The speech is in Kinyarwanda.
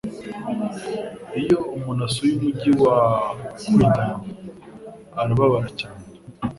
iyo umuntu asuye umugi wa Ouidah arababara cyane